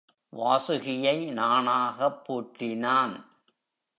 வாசுகியை நாணாகப் பூட்டினான்.